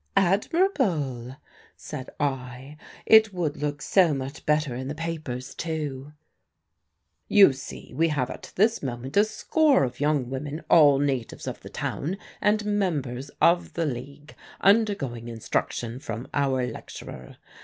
"Admirable!" said I. "It would look so much better in the papers too." "You see, we have at this moment a score of young women, all natives of the town and members of the League, undergoing instruction from our lecturer.